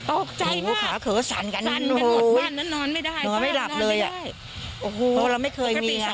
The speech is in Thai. โอ้โหขาเขือสั่นกันโอ้โหนอนไม่หลับเลยอ่ะโอ้โหเราไม่เคยมีอ่ะ